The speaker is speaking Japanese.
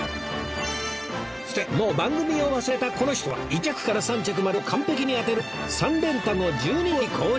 そしてもう番組を忘れたこの人は１着から３着までを完璧に当てる３連単を１２通り購入